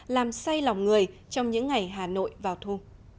làm say lòng người trong những ngày hà nội vào thu